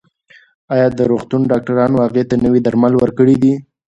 ایا د روغتون ډاکټرانو هغې ته نوي درمل ورکړي دي؟